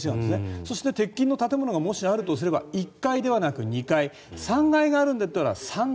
そして、鉄筋の建物がもしあるとすれば１階ではなく２階３階があるんだったら３階